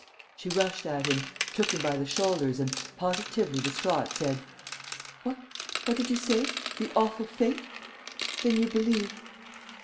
She rushed at him, took him by the shoulders and positively distraught, said: "What? What did you say? The awful fate?... Then you believe